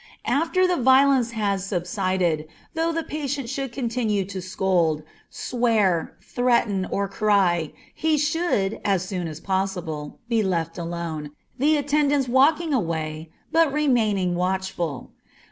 After the violence has subsided, though the patient should continue to scold, swear, threaten, or cry, he should, as soon as possible, be left alone, the attendants walking away, but remaining watchful.